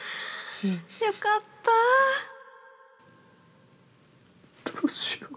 よかったどうしよう。